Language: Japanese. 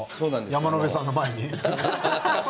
山野辺さんの前に？